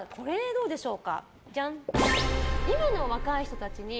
どうでしょう？